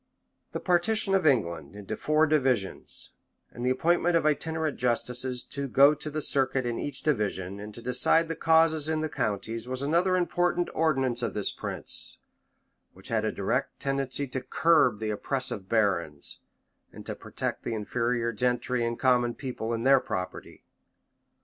The partition of England into four divisions, and the appointment of itinerant justices to go the circuit in each division, and to decide the causes in the counties, was another important ordinance of this prince, which had a direct tendency to curb the oppressive barons, and to protect the inferior gentry and common people in their property.